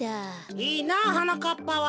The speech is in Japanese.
いいなはなかっぱは。